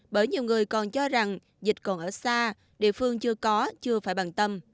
bởi nhiều người còn cho rằng dịch còn ở xa địa phương chưa có chưa phải bằng tâm